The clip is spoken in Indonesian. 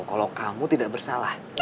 kalau kamu tidak bersalah